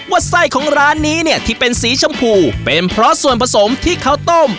ไส้ของร้านนี้เนี่ยที่เป็นสีชมพูเป็นเพราะส่วนผสมที่เขาต้ม